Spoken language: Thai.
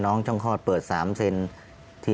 น้องช่องข้อดเปลี่ยน๓เซ็นที่